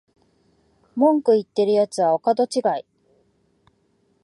文句言ってるやつはお門違い